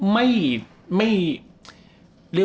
ไม่ไม่